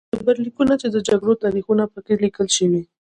ډبرلیکونه چې د جګړو تاریخونه په کې لیکل شوي